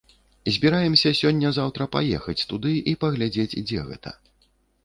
Збіраемся сёння-заўтра паехаць туды і паглядзець, дзе гэта.